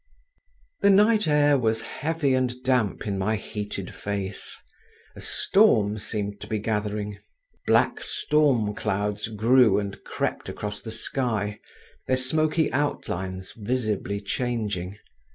The night air was heavy and damp in my heated face; a storm seemed to be gathering; black stormclouds grew and crept across the sky, their smoky outlines visibly changing.